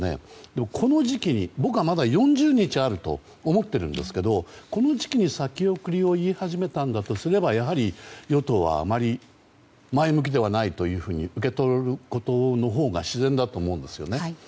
でも、この時期に、僕はまだ４０日あると思ってるんですけどこの時期に先送りを言い始めたんだとすればやはり、与党はあまり前向きではないと受け取ることのほうが自然だと思うんですよね。